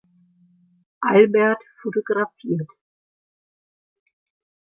Albert photographiert.